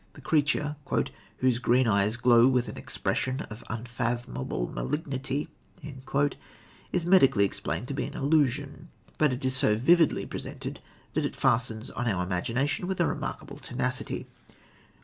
The creature, "whose green eyes glow with an expression of unfathomable malignity," is medically explained to be an illusion; but it is so vividly presented that it fastens on our imagination with remarkable tenacity.